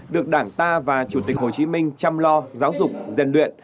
được đảng ta và chủ tịch hồ chí minh chăm lo giáo dục rèn luyện